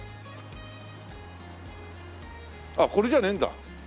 あっこれじゃねえんだ。